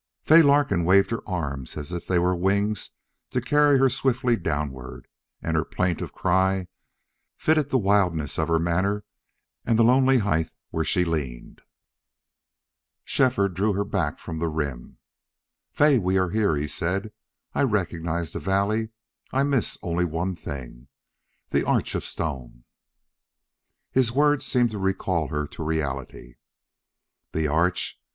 Fay Larkin waved her arms as if they were wings to carry her swiftly downward, and her plaintive cry fitted the wildness of her manner and the lonely height where she leaned. Shefford drew her back from the rim. "Fay, we are here," he said. "I recognize the valley. I miss only one thing the arch of stone." His words seemed to recall her to reality. "The arch?